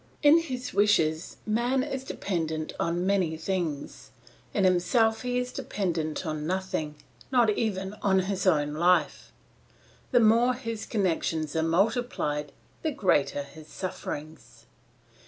In his wishes man is dependent on many things; in himself he is dependent on nothing, not even on his own life; the more his connections are multiplied, the greater his sufferings.